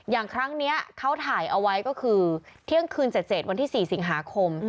อย่างครั้งนี้เขาถ่ายเอาไว้ก็คือเที่ยงคืนเสร็จวันที่๔สิงหาคม